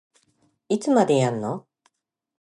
いつまでやんの